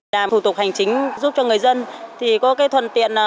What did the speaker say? đảm thủ tục hành chính giúp cho người dân thì có cái thuần tiện